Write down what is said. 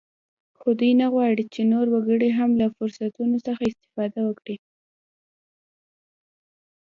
خو دوی نه غواړ چې نور وګړي هم له فرصتونو څخه استفاده وکړي